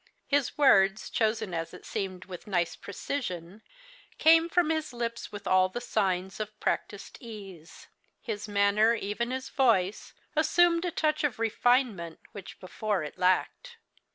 His words, chosen as it seemed with a nice precision, came from his lips with all the signs of practiced ease. His manner, even his voice, assumed a touch of refinement which before it lacked.